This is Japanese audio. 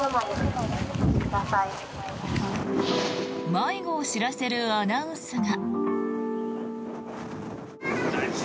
迷子を知らせるアナウンスが。